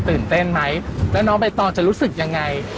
ตื่นเต้นไหมแล้วน้องใบตองจะรู้สึกยังไง